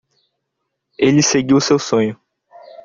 Ele seguiu seu sonho.